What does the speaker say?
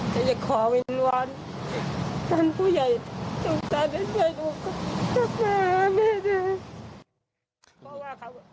จะขอวินวัลกันผู้ใหญ่จงการให้พี่ไอ้ลูกก็มาไม่ได้